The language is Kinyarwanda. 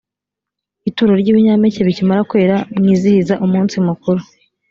ituro ry’ibinyampeke bikimara kwera mwizihiza umunsi mukuru